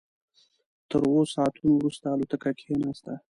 تر اوو ساعتونو وروسته الوتکه کېناسته.